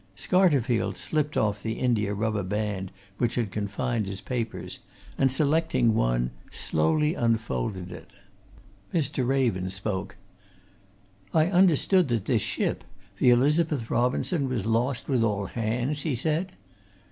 Scarterfield slipped off the india rubber band which confined his papers, and selecting one, slowly unfolded it. Mr. Raven spoke. "I understood that this ship, the Elizabeth Robinson, was lost with all hands?" he said.